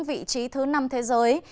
vị trí thứ năm thế giới